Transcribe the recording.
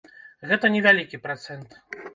Гэта не вялікі працэнт.